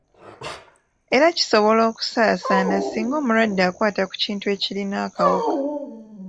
Era kisobola okusaasana singa omulwadde akwata ku kintu ekirina akawuka.